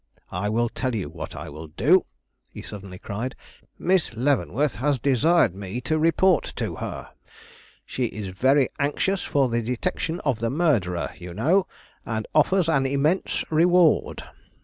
I will tell you what I will do," he suddenly cried. "Miss Leavenworth has desired me to report to her; she is very anxious for the detection of the murderer, you know, and offers an immense reward.